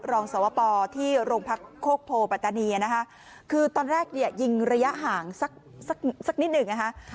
รองสวปที่โรงพักโคกโพปัตตานีนะคะคือตอนแรกเนี่ยยิงระยะห่างสักสักนิดหนึ่งนะคะ